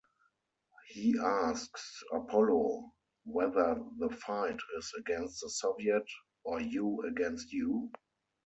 He asks Apollo whether the fight is against the Soviet, or you against you?